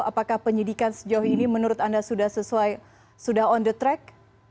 apakah penyidikan sejauh ini menurut anda sudah sesuai sudah on the track